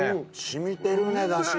染みてるねだし。